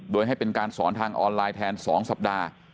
โดยให้เป็นการสอนทางออนไลน์แทน๒สัปดาห์